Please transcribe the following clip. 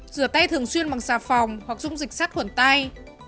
rửa tay thường xuyên bằng xà phòng hoặc dung dịch sát khuẩn tay